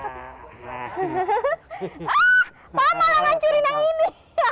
pak malah ngancurin yang ini